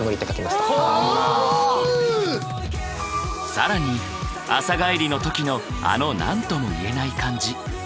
更に朝帰りのときのあの何とも言えない感じ。